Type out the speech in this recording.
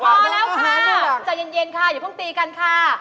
มาแล้วค่ะใจเย็นค่ะอย่าเพิ่งตีกันค่ะ